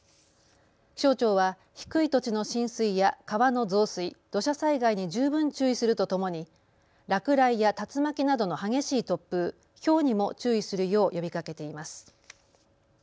気象庁は低い土地の浸水や川の増水、土砂災害に十分注意するとともに落雷や竜巻などの激しい突風、ひょうにも注意するよう呼びかけています。